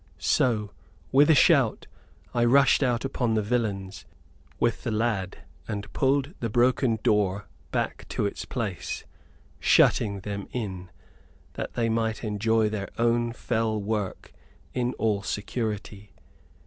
"So, with a shout, I rushed out upon the villains, with the lad, and pulled the broken door back to its place, shutting them in, that they might enjoy their own fell work in all security.